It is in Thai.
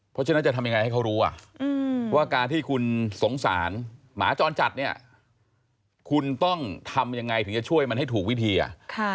เพราะฉะนั้นจะทำยังไงให้เขารู้ว่าการที่คุณสงสารหมาจรจัดเนี่ยคุณต้องทำยังไงถึงจะช่วยมันให้ถูกวิธีอ่ะ